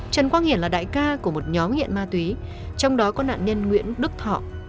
trần quang hiển là đại ca của một nhóm nghiện ma túy trong đó có nạn nhân nguyễn đức thọ